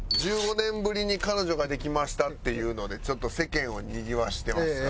１５年ぶりに彼女ができましたっていうのでちょっと世間をにぎわせてますから。